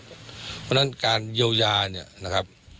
เพราะฉะนั้นการเยียวยาเนี่ยนะครับ